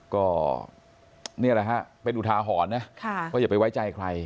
ก็เป็นอุทาหอนนะก็อย่าไปไว้ใจใคร